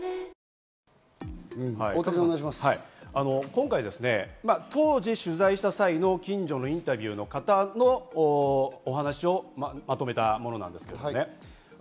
今回、当時取材した際の近所のインタビューの方のお話をまとめたものです。